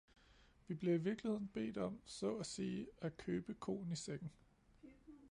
Vi bliver i virkeligheden bedt om så at sige at købe koen i sækken.